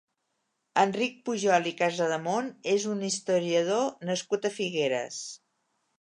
Enric Pujol i Casademont és un historiador nascut a Figueres.